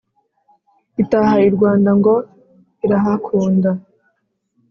Itaha i Rwanda ngo irahakunda